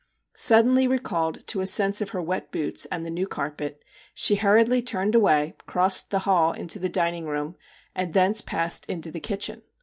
Suddenly recalled to a sense of her wet boots and the new carpet, she hurriedly turned away, crossed the hall into the dining room, and thence passed into the kitchen.